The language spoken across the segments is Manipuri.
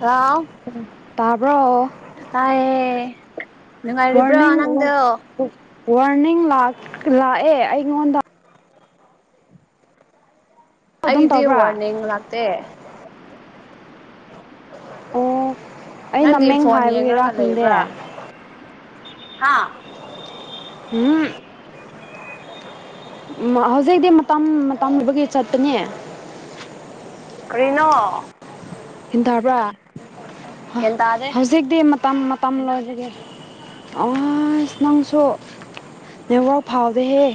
ꯍꯜꯂꯣ ꯇꯥꯕ꯭ꯔꯣ ꯇꯥꯏꯌꯦ ꯅꯨꯡꯉꯥꯏꯔꯤꯕ꯭ꯔꯣ ꯋꯥꯔꯅꯤꯡ ꯋꯥ ꯅꯪꯗꯣ ꯋꯥ ꯋꯥꯔꯅꯤꯡ ꯂꯥꯛ ꯂꯥꯛꯑꯦ ꯑꯩꯉꯣꯟꯗ ꯑꯗꯨꯝ ꯑꯩꯒꯤꯗꯤ ꯇꯧꯕ꯭ꯔꯥ ꯋꯥꯔꯅꯤꯡ ꯂꯥꯛꯇꯦ ꯑꯣ ꯑꯩ ꯅꯪꯗꯤ ꯅꯃꯦꯡ ꯐꯣꯟ ꯍꯥꯏꯕꯒꯤꯔꯥ ꯌꯦꯡꯔꯒ ꯈꯪꯗꯦ ꯂꯩꯕ꯭ꯔꯥ ꯍꯥ [unintelligible] ꯃ ꯍꯧꯖꯤꯛꯇꯤ ꯃꯇꯝ ꯃꯇꯝ ꯑꯣꯏꯕꯒꯤ ꯆꯠꯄꯅꯤ ꯀꯔꯤꯅꯣ ꯒꯤꯟ ꯇꯥꯕ꯭ꯔꯥ ꯍ ꯒ꯭ꯌꯥꯟ ꯇꯥꯗꯦ ꯍꯧꯖꯤꯛ ꯗꯤ ꯃꯇꯝ ꯃꯇꯝ ꯂꯣꯏꯖꯒꯦ ꯑꯥꯏꯁ ꯅꯪꯁꯨ ꯅꯦꯠꯋꯥꯛ ꯐꯥꯎꯗꯦꯍꯦ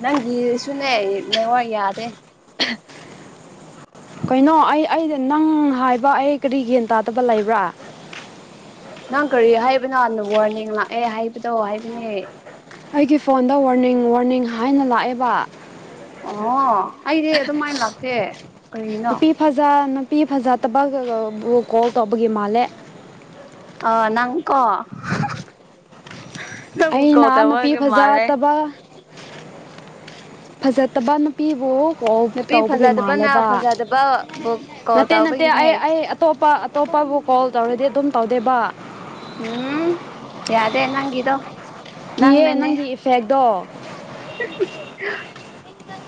ꯅꯪꯒꯤ ꯁꯨꯅꯦ ꯅꯦꯋꯥꯔꯛ ꯌꯥꯗꯦ ꯀꯩꯅꯣ ꯑꯩ ꯑꯩꯗ ꯅꯪ ꯍꯥꯏꯕ ꯑꯩ ꯀꯔꯤ ꯒ꯭ꯌꯥꯟ ꯇꯥꯗꯕ ꯂꯩꯕ꯭ꯔꯥ ꯅꯪ ꯀꯔꯤ ꯍꯥꯏꯕꯅꯣ ꯋꯥꯔꯅꯤꯡ ꯂꯥꯛꯑꯦ ꯍꯥꯏꯕꯗꯣ ꯍꯥꯏꯕꯅꯦ ꯑꯩꯒꯤ ꯐꯣꯟꯗ ꯋꯥꯔꯅꯤꯡ ꯋꯥꯔꯅꯤꯡ ꯍꯥꯏꯅ ꯂꯥꯛꯑꯦꯕ꯫ ꯑꯣ ꯑꯩꯗꯤ ꯑꯗꯨꯃꯥꯏ ꯂꯥꯛꯇꯦ꯫ ꯀꯔꯤꯒꯤꯅꯣ ꯅꯨꯄꯤ ꯐꯖ ꯅꯨꯄꯤ ꯐꯖꯗꯕꯒꯒꯕꯨ ꯀꯣꯜ ꯇꯧꯕꯒꯤ ꯃꯥꯂꯦ ꯑ ꯅꯪꯀꯣ ꯍꯥ ꯍꯥ ꯑꯩꯅ ꯅꯨꯄꯤ ꯐꯖ ꯇꯕ ꯐꯖꯗꯕ ꯅꯨꯞ ꯅꯨꯄꯤꯕꯨ ꯀꯥꯎ ꯅꯨꯄꯤ ꯇꯧꯕꯒꯤ ꯐꯖꯗꯕꯅ ꯃꯥꯜꯂꯦꯕ ꯐꯖꯗꯕꯕꯨ ꯀꯣꯜ ꯅꯠꯇꯦ ꯅꯠꯇꯦ ꯇꯧꯕꯒꯤꯅꯦ ꯑꯩ ꯑꯩ ꯑꯇꯣꯞꯄ ꯑꯇꯣꯞꯄꯕꯨ ꯀꯣꯜ ꯇꯧꯔꯗꯤ ꯑꯗꯨꯝ ꯇꯧꯗꯦꯕ ꯎꯝ ꯌꯥꯗꯦ ꯅꯪꯒꯗꯣ ꯀꯤꯌꯦ ꯅꯪꯒꯤ ꯏꯐꯦꯛꯇꯣ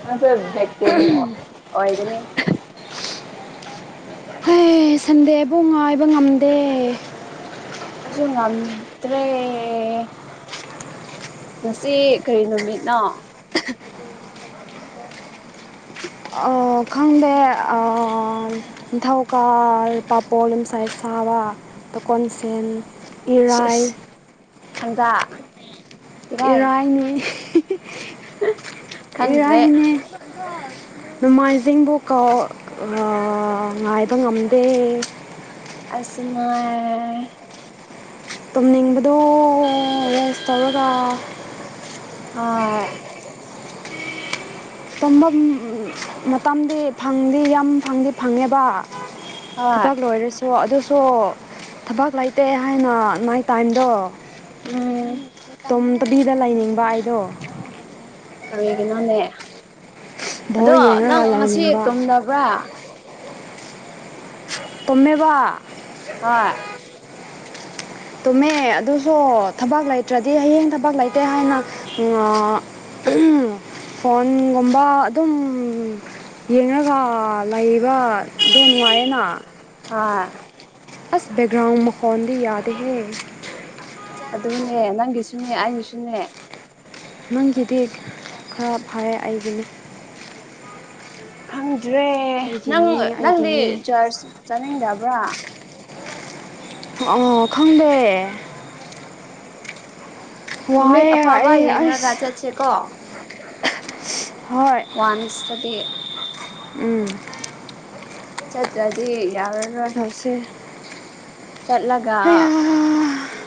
ꯑ ꯑꯣꯏꯒꯅꯤ ꯍ ꯁꯟꯗꯦꯕꯨ ꯉꯥꯏꯕ ꯉꯝꯗꯦ ꯄꯁꯨ ꯉꯗ꯭ꯔꯦ ꯉꯁꯤ ꯀꯔꯤ ꯅꯨꯃꯤꯠꯅꯣ ꯈꯪꯗꯦ ꯅꯤꯡ ꯊꯧꯀꯥꯜ ꯄꯥꯄꯣ ꯌꯁꯥꯏ ꯁꯥꯕ ꯀꯣꯟꯁꯦꯜ ꯊꯥꯡꯖꯥ ꯏꯔꯥꯏ ꯏꯔꯥꯏꯅꯦ ꯈꯪꯗ꯭ꯔꯦ ꯏꯔꯥꯏꯅꯦ ꯅꯣꯡꯃꯥꯏꯖꯤꯡꯕꯨ ꯀ ꯉꯥꯏꯕ ꯉꯝꯗꯦ ꯑꯁꯃ ꯇꯨꯝꯅꯤꯡꯕꯗꯣ ꯔꯦꯁ ꯇꯧꯔꯒ ꯑ ꯄꯨꯝꯝꯕ ꯃꯇꯝꯗꯤ ꯐꯪꯗꯤ ꯌꯥꯝ ꯐꯪꯗꯤ ꯐꯪꯉꯦꯕ ꯍꯣꯏ ꯊꯕꯛ ꯂꯣꯏꯔꯁꯨ ꯑꯗꯨꯁꯨ ꯊꯕꯛ ꯂꯩꯇꯦ ꯍꯥꯏꯅ ꯃꯥꯏ ꯇꯥꯏꯝꯗꯣ ꯎꯝ ꯇꯣꯝ ꯇꯕꯤꯗ ꯂꯩꯅꯤꯡꯕ ꯑꯩꯗꯣ ꯀꯔꯤꯒꯤꯅꯣꯅꯦ ꯕꯣꯜ ꯑꯗꯣ ꯅꯪ ꯌꯦꯡꯉꯒ ꯉꯁꯤ ꯂꯩꯅꯤꯡꯕ ꯇꯨꯝꯗꯕ꯭ꯔꯥ ꯇꯣꯃꯦꯕ ꯍ [unintelligible] ꯇꯨꯝꯃꯦ ꯑꯗꯨꯁꯨ ꯊꯕꯛ ꯂꯩꯇ꯭ꯔꯗꯤ ꯍꯌꯦꯡ ꯊꯕꯛ ꯂꯩꯇꯦ ꯍꯥꯏꯅ ꯐꯣꯟꯒꯨꯝꯕ ꯑꯗꯨꯝ ꯌꯦꯡꯉꯒ ꯂꯩꯕꯗꯣ ꯅꯨꯡꯉꯥꯏꯌꯦꯦꯅ ꯍꯥꯥ ꯑꯁ ꯦꯛꯒ꯭ꯔꯥꯎ ꯃꯈꯀꯣꯟꯟꯗꯤ ꯌꯥꯗ ꯍꯦ ꯑꯗꯨꯅꯦ ꯅꯪꯒꯤꯁꯨꯅꯦ ꯑꯩꯒꯤꯁꯨꯅꯦ ꯅꯪꯒꯤꯗꯤ ꯈꯔ ꯐꯔꯦ ꯑꯩꯗꯤ ꯈꯪꯗ꯭ꯔꯦ ꯅꯪ ꯑꯩꯒꯤꯅꯤ ꯅꯪꯗꯤ ꯑꯩꯒꯤꯅꯤ ꯆꯔꯆ ꯆꯠꯅꯤꯡꯗꯕ꯭ꯔꯥ ꯑꯣ ꯈꯪꯗꯦ ꯅꯨꯃꯤꯠ ꯋꯥꯏ ꯑꯐꯕ ꯑꯦ ꯌꯦꯡꯉꯒ ꯑꯁ ꯆꯠꯁꯦꯀꯣ ꯍꯣꯏ ꯋꯥꯟꯁꯗꯤ ꯎꯝ ꯆꯠꯇ꯭ꯔꯗꯤ ꯌꯥꯎꯔꯔꯣꯏ ꯁ ꯆꯠꯂꯒ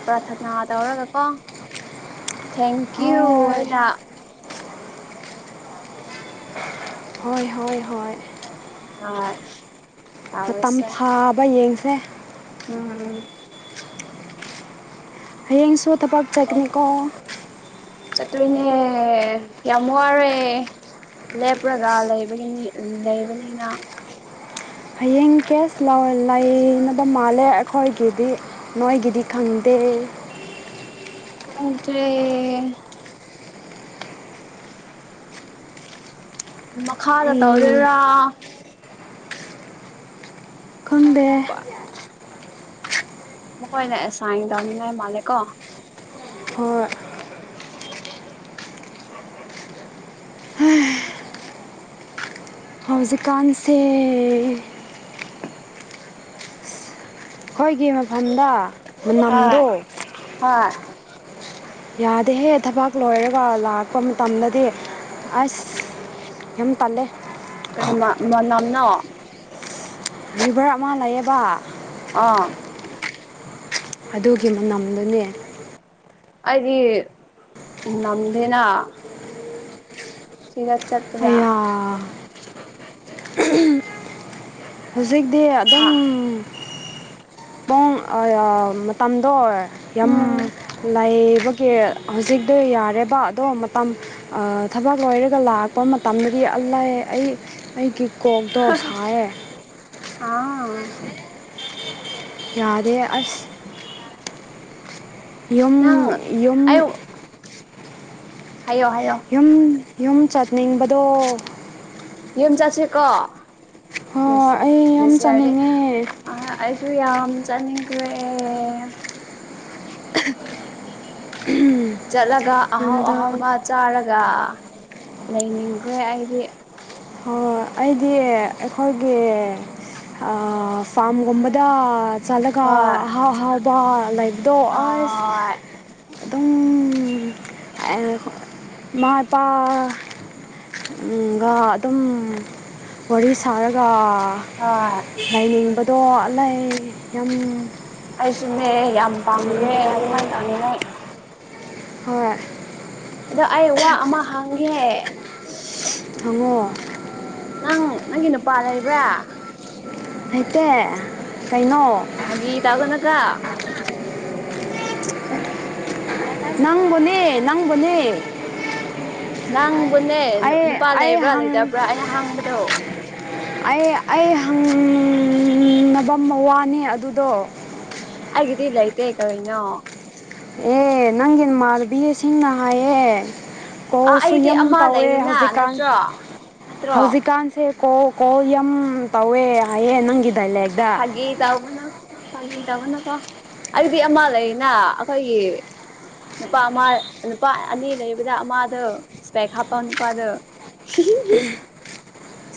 ꯄ꯭ꯔꯊꯅꯥ ꯇꯧꯔꯒ ꯀꯣ ꯊꯦꯡꯀ꯭ꯌꯨ ꯍꯣꯏ ꯍꯥꯏꯅ ꯍꯣꯏ ꯍꯣꯏ ꯍꯣꯏ ꯑ ꯃꯇꯝ ꯐꯥꯕ ꯌꯦꯡꯁꯦ ꯎꯝ ꯎꯝ ꯍꯌꯦꯡꯁꯨ ꯊꯕꯛ ꯆꯠꯅꯤꯀꯣ ꯆꯠꯇꯣꯏꯅꯦ ꯌꯥꯝ ꯋꯥꯔꯦ ꯂꯦꯞꯄ꯭ꯔꯒ ꯂꯩꯕꯒꯤꯅꯤ ꯂꯩꯕꯅꯤꯅ ꯍꯌꯦꯡ ꯀꯦꯁ ꯂꯩꯅꯕ ꯃꯥꯜꯂꯦ ꯑꯩꯈꯣꯏꯒꯤꯗꯤ ꯅꯒꯤꯗꯤ ꯈꯪꯗꯦ ꯀꯆꯦ ꯃꯈꯥꯗ ꯑꯩ ꯇꯧꯗꯣꯏꯔꯥ ꯈꯨꯗꯦ ꯃꯈꯣꯏꯅꯁꯥꯡꯟ ꯇꯧꯅꯤꯡꯉꯥꯏ ꯃꯥꯜꯂꯦ ꯀꯣ ꯍꯣꯏ ꯎꯝ ꯍꯧꯖꯤꯛꯀꯥꯟꯁꯦ ꯑꯩꯈꯣꯏꯒꯤ ꯃꯐꯝꯗ ꯃꯅꯝꯗꯣ ꯑ ꯑ ꯌꯥꯗꯦꯍꯦ ꯊꯕꯛ ꯂꯣꯏꯔꯒ ꯂꯥꯛꯄ ꯃꯇꯝꯗꯗꯤ ꯑꯁ ꯌꯥꯝ ꯇꯜꯂꯦ ꯀꯔꯤ ꯃꯅꯝꯅꯣ ꯚꯔ ꯑꯃ ꯂꯩꯌꯦꯕ ꯑꯥ ꯑꯗꯨꯒꯤ ꯃꯅꯝꯗꯨꯅꯦ ꯑꯩꯗꯤ ꯅꯝꯗꯦꯅ ꯁꯤꯔꯠ ꯆꯠ ꯑꯌꯥ ꯍꯧꯖꯤꯛꯇꯤ ꯑꯗꯨꯝ ꯄꯨꯡ ꯃꯇꯝꯗꯣ ꯌꯥꯝ ꯎꯝ ꯂꯥꯏꯕꯒꯤ ꯍꯧꯖꯤꯛꯇꯛꯇꯣ ꯌꯥꯔꯦꯕ ꯑꯗꯣ ꯃꯇꯝ ꯊꯕꯛ ꯂꯣꯏꯔꯒ ꯂꯥꯛꯥꯛꯄ ꯃꯇꯝꯗꯗꯤ ꯑꯜꯂꯥꯏꯌꯦ ꯑꯩ ꯑꯩꯒꯤ ꯀꯣꯛꯇꯣ ꯁꯥꯏꯌꯦ ꯑꯥ ꯌꯥꯥꯗꯦ ꯑꯁ ꯌꯨꯝ ꯅꯪ ꯑꯩ ꯌꯨꯝ ꯍꯥꯏꯌꯣ ꯍꯥꯏꯌꯣ ꯌꯨꯝ ꯌꯨꯝ ꯆꯠꯅꯤꯡꯕꯗꯣ ꯌꯦꯝ ꯆꯠꯁꯤꯀꯣ ꯍ ꯑꯩ ꯌꯥꯝ ꯗꯤꯁ ꯌꯥꯔꯗꯤ ꯆꯥꯅꯤꯡꯉꯦ ꯑꯩꯁꯨ ꯌꯥꯝ ꯆꯥꯅꯤꯡꯈ꯭ꯔꯦ ꯎꯝ ꯆꯠꯂꯒ ꯑꯍꯥꯎ ꯑꯍꯥꯎꯕ ꯆꯥꯔꯒ ꯂꯩꯅꯤꯡꯈ꯭ꯔꯦ ꯑꯩꯗꯤ ꯑꯣ ꯑꯩꯗꯤ ꯑꯩꯈꯣꯏꯒꯤ ꯑ ꯐꯥꯝꯒꯝꯕꯗ ꯆꯂꯒ ꯍꯣꯏ ꯍꯥꯥ ꯍꯥ ꯂꯥꯏꯐ ꯗꯣ ꯍꯣꯏ ꯑꯁ ꯑꯦꯗꯨꯝ ꯃꯥꯏꯄꯥꯥ ꯒꯥ ꯑꯗꯨꯝ ꯋꯥꯔꯤ ꯁꯥꯔꯒ ꯍꯣꯏ ꯂꯥꯏꯅꯤꯡꯕ ꯇꯣꯂꯥꯏ ꯌꯥꯝ ꯑꯩꯁꯤꯅꯦ ꯌꯥꯝ ꯄꯥꯝꯃꯛꯑꯦ ꯇꯧꯅꯤꯡꯕꯗꯣ ꯑꯗꯨꯃꯥꯏꯅ ꯇꯧꯅꯤꯅ ꯍꯣꯏ ꯑꯗ ꯑꯩ ꯋꯥ ꯑꯃ ꯍꯥꯡꯉꯦ ꯊꯉꯣ ꯅꯪ ꯅꯪꯒꯤ ꯅꯨꯄꯥ ꯂꯩꯕ꯭ꯔꯥ ꯍꯩꯇꯦ ꯀꯩꯅꯣ ꯍꯥꯒꯤ ꯇꯧꯒꯅꯨꯀꯣ ꯅꯪꯕꯨꯅꯦ ꯅꯪꯕꯨꯅꯦ ꯅꯪꯕꯨꯅꯦ ꯅꯨ ꯑꯩ ꯅꯨꯄꯥ ꯑꯩ ꯂꯩꯕ꯭ꯔꯥ ꯍꯪ ꯂꯩꯇꯕ꯭ꯔꯥ ꯑꯩꯅ ꯍꯥꯡꯕꯗꯣ ꯑꯩ ꯑꯩ ꯍꯪ ꯅꯕ ꯃ ꯋꯥꯅꯤ ꯑꯗꯨꯗꯣ ꯑꯩꯒꯤꯗꯤ ꯂꯩꯇꯦ ꯀꯔꯤꯅꯣ ꯑꯦ ꯅꯪꯒꯤ ꯃꯥꯥꯟꯕꯤꯁꯤꯡꯅ ꯍꯥꯏꯌꯦ ꯀꯣ ꯑꯥ ꯁꯨ ꯑꯩꯗꯤ ꯌꯥꯝ ꯑꯃ ꯄꯧꯋꯦ ꯂꯩꯔꯤꯅ ꯍꯧꯖꯤꯛꯀꯥꯟ ꯅꯠꯇ꯭ꯔꯣ ꯅꯠꯇ꯭ꯔꯣ ꯍꯧꯖꯤꯛꯀꯥꯟꯁꯦ ꯀꯣ ꯀꯣ ꯌꯝ ꯇꯧꯋꯦ ꯍꯥꯏꯌꯦ ꯅꯪꯒꯤ ꯗꯥꯏꯂꯦꯛ ꯗ ꯒꯤ ꯇꯧꯕꯅ ꯐꯥꯒꯤ ꯇꯧꯕꯅꯀꯣ ꯑꯩꯗꯤ ꯑꯃ ꯂꯩꯅ ꯑꯩꯈꯣꯏꯒꯤ ꯅꯨꯄꯥ ꯑꯃ ꯅꯨꯄꯥ ꯑꯅꯤ ꯂꯩꯕꯗ ꯑꯃꯗꯣ ꯏꯁꯄꯦꯛ ꯍꯥꯞꯄ ꯅꯨꯄꯥꯗꯣ ꯍꯤ ꯍꯤ ꯍꯤ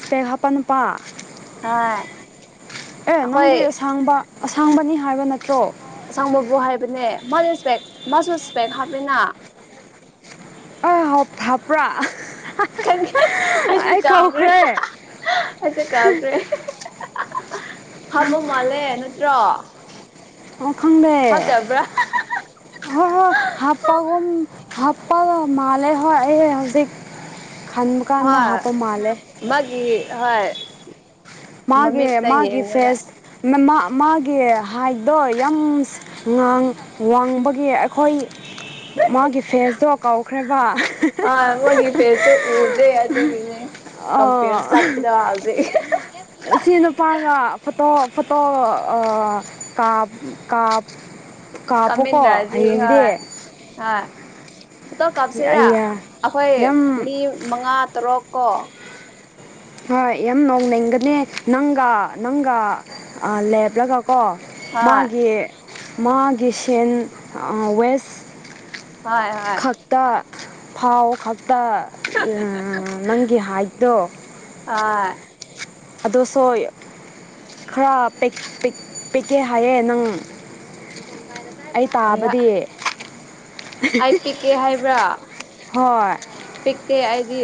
ꯀꯩ ꯍꯥꯞꯄꯥ ꯅꯨꯄꯥ ꯍꯣꯏ ꯑꯦ ꯅꯪꯗꯤ ꯑꯁꯥꯡꯕ ꯑꯁꯥꯡꯕꯅꯤ ꯍꯥꯏꯕ ꯅꯠꯇ꯭ꯔꯣ ꯑꯁꯥꯡꯕꯕꯨ ꯍꯥꯏꯕꯅꯦ ꯃꯗꯤ ꯏꯁꯄꯦꯛ ꯃꯥꯁꯨ ꯏꯁꯄꯦꯛ ꯍꯥꯞꯄꯤꯅ ꯑ ꯍꯥꯞ ꯍꯥꯞꯄ꯭ꯔꯥ ꯈꯪꯉꯦ ꯑꯩꯁꯨ ꯑꯩ ꯀꯥꯎꯒ꯭ꯔꯦ ꯀꯧꯈ꯭ꯔꯦ ꯑꯩꯁꯨ ꯀꯥꯎꯈ꯭ꯔꯦ ꯍꯥꯞꯄꯥ ꯃꯥꯂꯦ ꯅꯠꯇ꯭ꯔꯣ ꯑꯣ ꯈꯪꯗꯦ ꯐꯠꯇꯕ꯭ꯔꯥ ꯍꯣꯏ ꯍꯣꯏ ꯍꯥꯞꯄꯒꯨꯝ ꯍꯥꯞꯄꯒ ꯃꯥꯂꯦ ꯍꯣꯏ ꯑꯩ ꯍꯧꯖꯤꯛ ꯈꯟꯃꯛ ꯍꯣꯏ ꯃꯥꯒꯤ ꯍꯣꯏ ꯃꯥꯒꯤ ꯃꯃꯤꯛꯇ ꯃꯥꯒꯤ ꯌꯦꯡꯕꯗ ꯐꯦꯁ ꯃꯥ ꯃꯥ ꯃꯥꯒꯤ ꯍꯥꯏꯗꯣ ꯌꯥꯝ ꯁ ꯉꯥꯡ ꯋꯥꯡꯕꯒꯤ ꯑꯩꯈꯣꯏ ꯃꯥꯒꯤ ꯐꯦꯁꯇꯣ ꯀꯧꯈ꯭ꯔꯦꯕ ꯑꯥ ꯃꯣꯏꯒꯤ ꯄꯦꯁꯁꯨ ꯎꯗ꯭ꯔꯦ ꯑꯗꯨꯒꯤꯅꯦ ꯀꯝꯄ꯭ꯌꯥ ꯑ ꯆꯠꯄꯗ ꯍꯧꯖꯤꯛ ꯁꯤ ꯅꯨꯄꯥꯒ ꯐꯣꯇꯣ ꯐꯣꯇꯣ ꯑꯥ ꯀꯥꯞ ꯀꯥꯞ ꯀꯥꯞꯄꯨꯀꯣ ꯍꯌꯦꯡꯗꯤ ꯑ ꯐꯇꯣ ꯀꯥꯞꯁꯤꯔꯥ ꯑꯩꯌꯥ ꯑꯩꯈꯣꯏ ꯌꯥꯝ ꯃꯤ ꯃꯉꯥ ꯇꯔꯨꯛ ꯀꯣ ꯍꯣꯏ ꯌꯥꯝ ꯅꯣꯡꯅꯤꯡꯒꯅꯦ ꯅꯪꯒ ꯅꯪꯒ ꯑꯥ ꯂꯦꯞꯂꯒ ꯀꯣ ꯍꯣꯏ ꯃꯥꯒꯤ ꯃꯥꯒꯤ ꯁꯦꯟ ꯑꯥ ꯋꯦꯁ ꯍꯣꯏ ꯍꯣꯏ ꯇꯥ ꯐꯥꯎ ꯈꯛꯇ ꯎꯝ ꯅꯪꯒꯤ ꯍꯥꯏꯠꯇꯣ ꯑꯥ ꯑꯗꯣ ꯁꯣꯏ ꯈꯔ ꯄꯤꯛ ꯄꯤꯛ ꯄꯤꯛꯀꯦ ꯍꯥꯏꯌꯦ ꯅꯪ ꯑꯩ ꯀꯔꯤ ꯇꯥꯕꯗꯤ ꯑꯦ ꯍꯥꯏꯕ꯭ꯔꯥ ꯍꯣꯏ ꯄꯤꯛꯇꯦ ꯑꯩꯗꯤ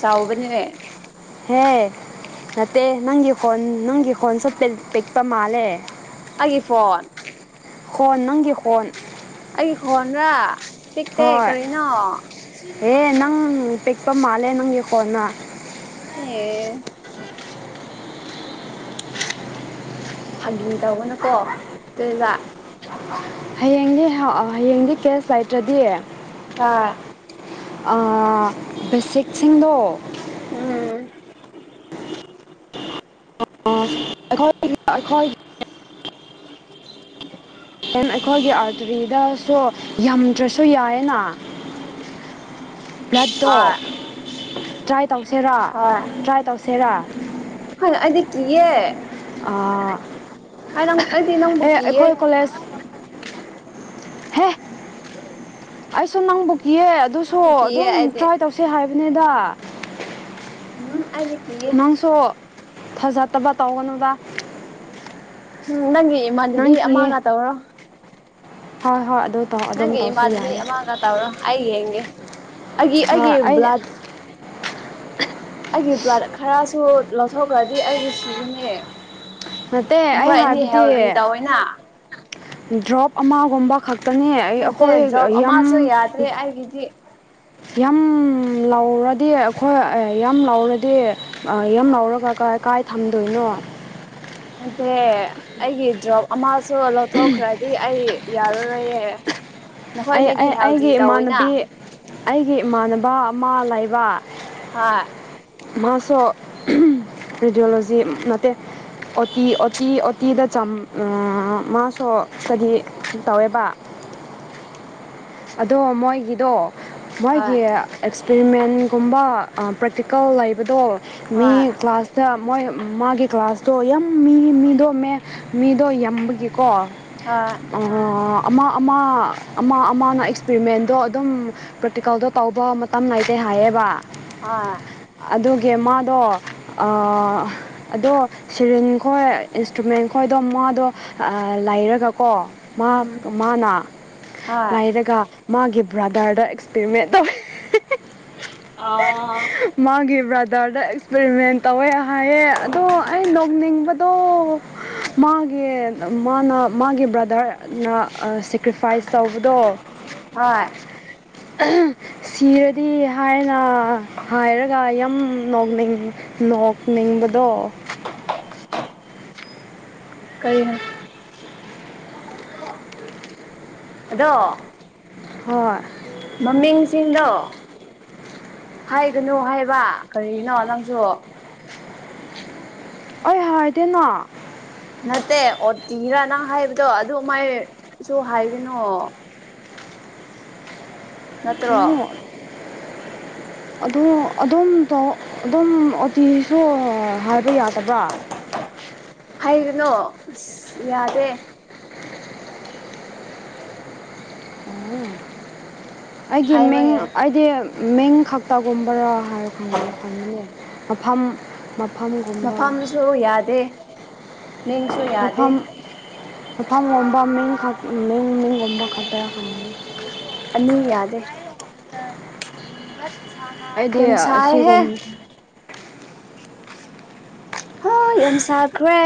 ꯆꯥꯎꯕꯅꯦ ꯍꯦ ꯅꯠꯇꯦ ꯅꯪꯒꯤ ꯐꯣꯟ ꯅꯪꯒꯤ ꯈꯣꯟꯁꯨ ꯄꯤꯜ ꯄꯤꯛꯄ ꯃꯥꯜꯂꯦ ꯑꯩꯒꯤ ꯐꯣꯟ ꯍꯣꯟ ꯅꯪꯒꯤ ꯍꯣꯟ ꯑꯩꯒꯤ ꯈꯣꯟꯔ ꯄꯤꯛꯇꯦ ꯀꯔꯤꯅꯣ ꯍꯦ ꯅꯪ ꯄꯤꯛꯄ ꯃꯥꯜꯂꯦ ꯅꯪꯒꯤ ꯈꯣꯟꯅ ꯑꯦ ꯐꯥꯒꯤ ꯇꯧꯒꯅꯨꯀꯣ ꯇꯣꯏꯖꯥꯠ ꯍꯌꯦꯡꯗꯤ ꯍꯥ ꯑꯥ ꯍꯌꯦꯡꯗꯤ ꯀꯦꯁ ꯂꯩꯇ꯭ꯔꯗꯤ ꯍꯥꯥ ꯕꯦꯁꯤꯛꯁꯤꯡꯗ ꯎꯝ ꯑꯩꯈꯣꯏ ꯑꯩꯈꯣꯏꯒꯤ ꯑꯦꯟ ꯑꯩꯈꯣꯏꯒꯤ ꯑꯥꯔꯇꯔꯤꯗꯁꯨ ꯌꯥꯝꯝꯗ꯭ꯔꯁꯨ ꯌꯥꯏꯌꯦꯅ ꯕ꯭ꯂꯠꯇꯣ ꯍꯣꯏ ꯇ꯭ꯔꯥꯏ ꯇꯧꯁꯦꯔꯥ ꯇ꯭ꯔꯥꯏ ꯇꯧꯁꯦꯔꯥ ꯍ ꯑꯩꯗꯤ ꯀꯤꯌꯦ ꯑꯩ ꯅꯪ ꯑꯩꯗꯤ ꯅꯪꯕꯨ ꯀꯤꯌꯦ ꯑꯩꯈꯣꯏ ꯀꯂꯦꯖ ꯍꯦ ꯑꯩꯁꯨ ꯅꯪꯕꯨ ꯀꯌꯦ ꯑꯗꯨꯁꯨ ꯅꯪꯕꯨ ꯀꯤꯌꯦ ꯑꯗꯨꯝ ꯑꯩꯗꯤ ꯇ꯭ꯔꯥꯏ ꯇꯧꯁꯦ ꯍꯥꯏꯕꯅꯤꯗ ꯎꯝ ꯑ ꯅꯪꯁꯨ ꯐꯖꯗꯕ ꯇꯧꯒꯅꯨꯕ ꯎꯝ ꯅꯪꯒꯤ ꯏꯃꯥꯟꯅꯕꯤ ꯅꯪ ꯀꯤꯌꯦ ꯑꯃꯒ ꯇꯧꯔꯣ ꯍꯣꯏ ꯍꯣꯏ ꯑꯗꯨꯗꯣ ꯅꯪꯒꯤ ꯏꯃꯥꯗ ꯃꯤ ꯑꯃꯒ ꯇꯥꯕꯔꯣ ꯑꯩ ꯌꯦꯡꯒꯦ ꯑꯩꯒꯤ ꯍꯣꯏ ꯑꯩꯒꯤ ꯑꯩ ꯕ꯭ꯂꯥ ꯑꯩꯒꯤ ꯕ꯭ꯂꯠ ꯈꯔꯁꯨ ꯂꯧꯊꯣꯛꯈ꯭ꯔꯗꯤ ꯑꯩꯗꯤ ꯁꯤꯒꯅꯦ ꯅꯠꯇꯦ ꯑꯩ ꯍꯥꯏꯕꯗꯤ ꯇꯧꯋꯦꯅ ꯗ꯭ꯔꯣꯞ ꯑꯃꯒꯨꯝꯕ ꯈꯛꯇꯅꯦ ꯑꯩ ꯑꯩꯈꯣꯏ ꯌꯥꯝ ꯑꯗꯩ ꯑꯩꯒꯤꯗꯤ ꯌꯥꯝ ꯂꯥꯎꯔꯗꯤ ꯑꯩꯈꯣꯏ ꯌꯥꯝ ꯂꯥꯎꯔꯗꯤ ꯌꯥꯝ ꯂꯧꯔꯒ ꯀꯥꯏ ꯀꯥꯏ ꯊꯝꯗꯣꯏꯅꯣ ꯅꯠꯇꯦ ꯑꯩꯒꯤ ꯗ꯭ꯔꯣꯞ ꯑꯃꯁꯨ ꯂꯧꯊꯣꯛꯈ꯭ꯔꯗꯤ ꯑꯩ ꯌꯥꯔꯔꯣꯏꯌꯦꯦ ꯑꯩ ꯑꯩꯒꯤ ꯏꯃꯥꯟꯅꯕꯤ ꯑꯩꯒꯤ ꯏꯃꯥꯟꯅꯕ ꯑꯃ ꯂꯩꯕ ꯍꯣꯏ ꯃꯥꯁꯨ ꯔꯦꯗꯤꯑꯣꯂꯣꯖꯤ ꯅꯠꯇꯦ ꯑꯣꯇꯤ ꯑꯣꯇꯤ ꯑꯣꯇꯤꯗ ꯃꯥꯁꯨ ꯏꯁꯇꯗꯤ ꯇꯧꯋꯦꯕ ꯑꯗꯣ ꯃꯣꯏꯒꯤꯗꯣ ꯃꯣꯏꯒꯤ ꯍꯣꯏ ꯑꯦꯛꯁꯄꯦꯔꯤꯃꯦꯟꯒꯨꯝꯕ ꯄ꯭ꯔꯦꯛꯇꯤꯀꯦꯜ ꯂꯩꯕꯗꯣ ꯃꯤ ꯍꯣꯏ ꯀ꯭ꯂꯥꯁ ꯗ ꯃꯣꯏ ꯃꯥꯒꯤ ꯀ꯭ꯂꯥꯁꯇꯣ ꯌꯥꯝ ꯃꯤ ꯃꯤꯗꯣꯃꯦ ꯃꯤꯗꯣ ꯌꯥꯝꯝꯕꯒꯤꯀꯣ ꯑ ꯑꯃ ꯑꯃ ꯑꯃ ꯃꯥꯅ ꯑꯦꯛꯁꯄꯔꯤꯃꯦꯟꯗꯣ ꯑꯗꯨꯝ ꯄ꯭ꯔꯦꯛꯇꯤꯀꯦꯜꯗꯣ ꯇꯧꯕ ꯃꯇꯝ ꯂꯩꯇꯦ ꯍꯥꯏꯌꯦꯕ꯫ ꯑꯥ ꯑꯗꯨꯒꯤ ꯃꯥꯗꯣ ꯑꯗꯣ ꯁꯦꯔꯤꯟ ꯈꯣꯏ ꯏꯟꯁꯇ꯭ꯔꯨꯃꯦꯟ ꯈꯣꯏꯗꯣ ꯃꯥꯗꯣ ꯂꯩꯔꯒꯀꯣ ꯃꯥ ꯃꯥꯅ ꯍꯣꯏ ꯂꯩꯔꯒ ꯃꯥꯒꯤ ꯕ꯭ꯔꯥꯗꯔꯗ ꯑꯦꯛꯁꯄꯔꯤꯃꯦꯟ ꯇꯧꯋꯦ ꯑꯥ ꯃꯥꯒꯤ ꯕ꯭ꯔꯗꯔꯗ ꯑꯦꯛꯁꯄꯔꯤꯃꯦꯟ ꯇꯧꯋꯦ ꯍꯥꯏꯌꯦ ꯑꯗꯣ ꯑꯩ ꯅꯣꯛꯅꯤꯡꯕꯗꯣ ꯃꯥꯒꯤ ꯃꯥꯅ ꯃꯥꯒꯤ ꯕ꯭ꯔꯗꯔꯅ ꯁꯦꯀ꯭ꯔꯤꯐꯥꯏꯁ ꯇꯧꯕꯗꯣ ꯍꯣꯏ ꯁꯤꯔꯗꯤ ꯍꯥꯏꯅ ꯍꯥꯏꯔꯒ ꯌꯥꯝ ꯅꯣꯛꯅꯤꯡꯉ ꯅꯣꯛꯅꯤꯡꯕꯗꯣ ꯀꯔꯤꯅ ꯑꯗꯣ ꯍꯣꯏ ꯃꯃꯤꯡꯁꯤꯡꯗꯣ ꯍꯥꯏꯒꯅꯨ ꯍꯥꯏꯕ ꯀꯔꯤꯒꯤꯅꯣ ꯅꯪꯁꯨ ꯑꯩ ꯍꯥꯏꯗꯅ ꯅꯠꯇꯦ ꯑꯣꯇꯤꯔꯥ ꯅꯪ ꯍꯥꯏꯕꯗꯣ ꯑꯗꯨ ꯃꯥꯏꯁꯨ ꯍꯥꯏꯗꯅꯣ ꯅꯠꯇ꯭ꯔꯣ ꯎ ꯑꯗꯨ ꯑꯗꯨꯝ ꯇ ꯑꯗꯨꯝ ꯑꯣꯇꯤꯁꯨ ꯍꯥꯏꯕ ꯌꯥꯗꯕ꯭ꯔꯥ ꯍꯥꯏꯒꯅꯣ ꯑꯁ ꯌꯥꯗꯦ ꯑꯩꯒꯤ ꯍꯥꯏꯕ ꯃꯤꯡ ꯌꯥꯏ ꯑꯩꯗꯤ ꯃꯤꯡ ꯈꯛꯇꯒꯨꯝꯕꯔꯥ ꯔꯣ ꯈꯪꯍ ꯌꯥ ꯃꯐꯝ ꯃꯐꯝꯒꯨꯝꯕ ꯁꯨ ꯌꯥꯗꯦ ꯃꯤꯡꯁꯨ ꯌꯥꯗꯦ ꯃꯐꯝ ꯃꯐꯝꯒꯨꯝꯕ ꯃꯤꯡ ꯃꯤꯡ ꯃꯤꯡꯒꯨꯝꯕ ꯈꯇꯔ ꯈꯪꯉꯅꯤ ꯑꯅꯤ ꯌꯥꯗꯦ ꯑꯩꯗꯤ ꯌꯥꯝ ꯁꯤꯒꯨꯝ ꯁꯥꯏꯍꯦ ꯍ ꯌꯥꯝ ꯁꯥꯈ꯭ꯔꯦ